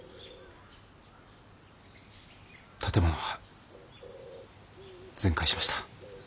建物は全壊しました。